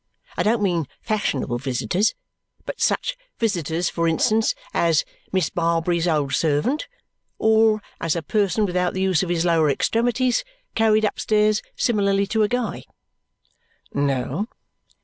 I don't mean fashionable visitors, but such visitors, for instance, as Miss Barbary's old servant, or as a person without the use of his lower extremities, carried upstairs similarly to a guy?" "No!"